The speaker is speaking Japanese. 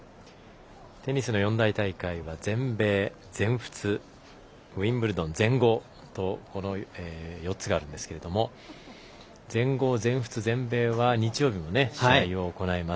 テニスの四大大会は全米、全仏ウィンブルドン、全豪と４つがあるんですけれども全豪、全仏、全米は日曜日も試合を行います。